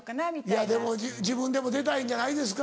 いやでも自分でも出たいんじゃないですか？